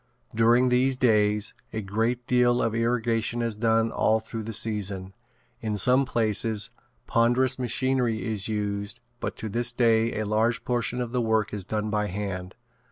During these days a great deal of irrigating is done all through the season. In some places ponderous machinery is used but to this day a large portion of work is done by hand.